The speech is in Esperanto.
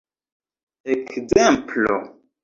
ekzemplo